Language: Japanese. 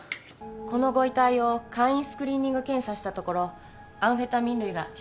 このご遺体を簡易スクリーニング検査したところアンフェタミン類が検出されました